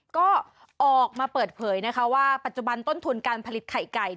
ก็ออกมาเปิดเผยนะคะว่าปัจจุบันต้นทุนการผลิตไข่ไก่